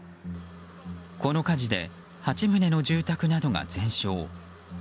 この火事で８棟の住宅などが全焼。